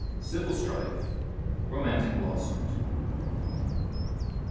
Civil Strife. Romantic Lawsuit.